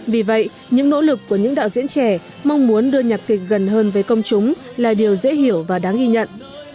vì vậy những nỗ lực của những đạo diễn trẻ mong muốn đưa nhạc kịch gần hơn với công chúng là điều dễ hiểu và đáng ghi nhận